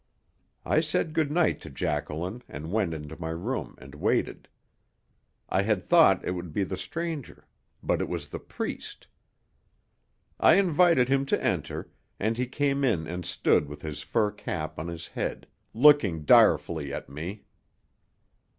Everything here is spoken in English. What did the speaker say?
I said good night to Jacqueline and went into my room and waited. I had thought it would be the stranger, but it was the priest. I invited him to enter, and he came in and stood with his fur cap on his head, looking direfully at me.